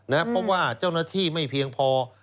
เพราะว่าเจ้าหน้าที่ไม่เพียงพอ